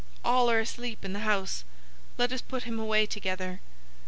All are asleep in the house. Let us put him away together."